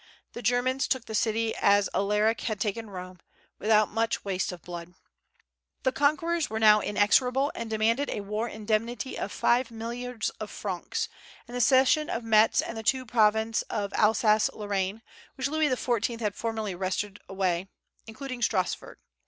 The Germans took the city as Alaric had taken Rome, without much waste of blood. The conquerors were now inexorable, and demanded a war indemnity of five milliards of francs, and the cession of Metz and the two province of Alsace Lorraine (which Louis XIV had formerly wrested away), including Strasburg.